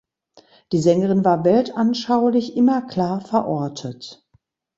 Die Sängerin war weltanschaulich immer klar verortet.